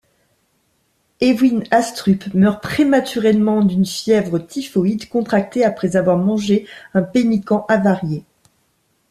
Eivind Astrup meurt prématurément d'une fièvre typhoïde contractée après avoir mangé un pemmican avarié.